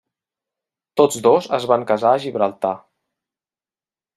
Tots dos es van casar a Gibraltar.